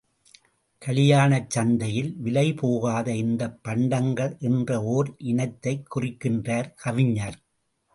கலியாணச் சந்தையில் விலை போகாத இந்தப் பண்டங்கள் என்ற ஓர் இனத்தைக் குறிக்கின்றார் கவிஞர்.